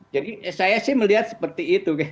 jadi saya sih melihat seperti itu